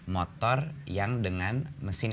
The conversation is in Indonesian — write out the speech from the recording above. motor yang dengan mesin